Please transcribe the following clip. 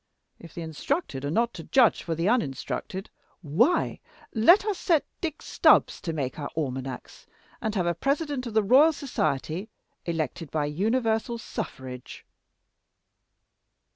If the instructed are not to judge for the uninstructed, why, let us set Dick Stubbs to make our almanacs, and have a President of the Royal Society elected by universal suffrage."